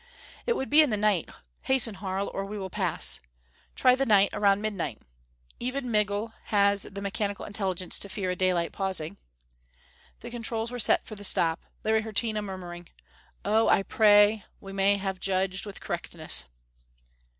"It would be in the night. Hasten, Harl, or we will pass! Try the night around midnight. Even Migul has the mechanical intelligence to fear a daylight pausing." The controls were set for the stop. Larry heard Tina murmuring, "Oh, I pray we may have judged with correctness!"